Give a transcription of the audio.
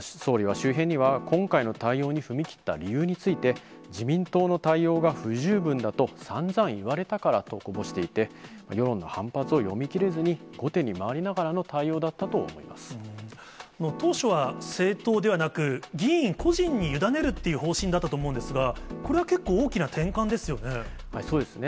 総理は周辺には、今回の対応に踏み切った理由について、自民党の対応が不十分だと、さんざん言われたからとこぼしていて、世論の反発を読み切れずに後手に回りながらの対応だったと思いま当初は政党ではなく、議員個人に委ねるっていう方針だったと思うんですが、これは結構、そうですね。